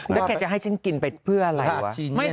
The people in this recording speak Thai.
แล้วแกจะให้ฉันกินไปเพื่ออะไร